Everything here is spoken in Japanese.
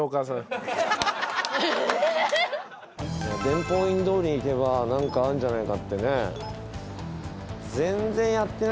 伝法院通りに行けば何かあんじゃないかってね。